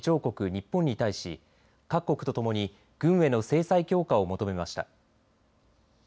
日本に対し各国とともに軍への制裁強化を求めました。